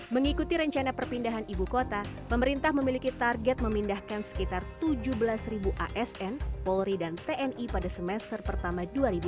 mengikuti rencana perpindahan ibu kota pemerintah memiliki target memindahkan sekitar tujuh belas asn polri dan tni pada semester ini